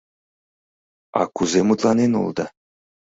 — А кузе мутланен улыда?